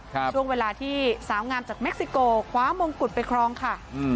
ช่วงเวลาที่สาวงามจากเม็กซิโกคว้ามงกุฎไปครองค่ะอืม